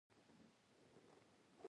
زده کړه نجونو ته د مرستې رسولو لارې ښيي.